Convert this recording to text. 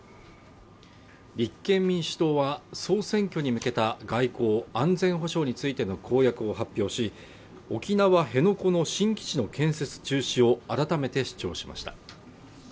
立憲民主党は総選挙に向けた外交・安全保障についての公約を発表し、沖縄・辺野古の新基地の建設中止を改めて主張しました。